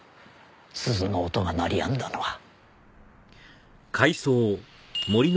鈴の音が鳴りやんだのは。